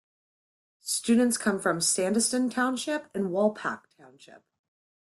Students come from Sandyston Township and Walpack Township.